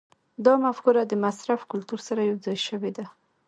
دا مفکوره د مصرف کلتور سره یوځای شوې ده.